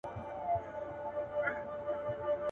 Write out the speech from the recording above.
مړونه مري، نومونه ئې پاتېږي.